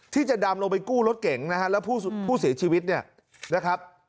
ที่จะดำลงไปกู้รถเก่งนะฮะแล้วผู้เสียชีวิตเนี่ยนะครับ